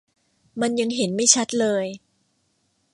มันยังเห็นไม่ชัดเลย